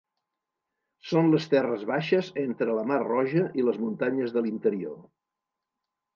Són les terres baixes entre la mar Roja i les muntanyes de l'interior.